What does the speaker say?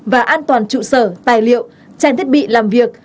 và an toàn trụ sở tài liệu trang thiết bị làm việc